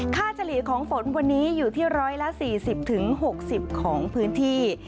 เฉลี่ยของฝนวันนี้อยู่ที่๑๔๐๖๐ของพื้นที่